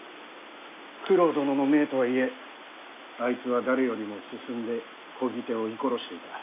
九郎殿の命とはいえあいつは誰よりも進んでこぎ手を射殺していた。